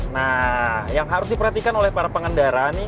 nah yang harus diperhatikan oleh para pengendara nih